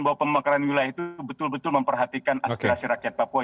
bahwa pemekaran wilayah itu betul betul memperhatikan aspirasi rakyat papua